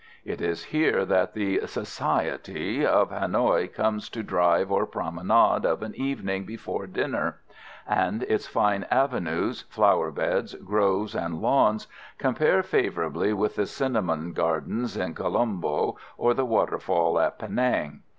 It is here that the "Society" of Hanoï comes to drive or promenade of an evening before dinner; and its fine avenues, flower beds, groves and lawns compare favourably with the Cinnamon Gardens in Colombo, or the waterfall at Penang.